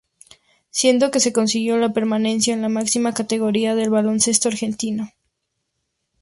Siendo que se consiguió la permanencia en la máxima categoría del baloncesto Argentino.